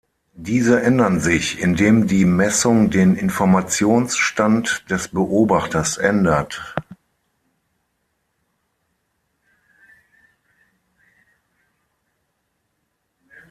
Diese ändern sich, indem die Messung den Informationsstand des Beobachters ändert.